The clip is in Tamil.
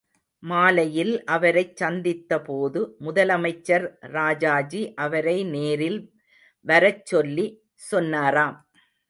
மாலையில் அவரைச் சந்தித்தபோது முதலமைச்சர் ராஜாஜி அவரை நேரில் வரச் சொல்லி சொன்னாராம்.